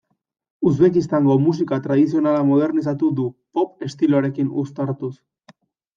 Uzbekistango musika tradizionala modernizatu du pop etiloarekin uztartuz.